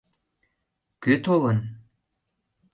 Кӧ толын?